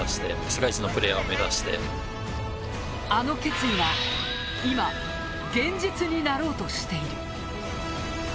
あの決意は今、現実になろうとしている。